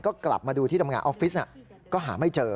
ก็กลับมาดูที่ทำงานออฟฟิศก็หาไม่เจอ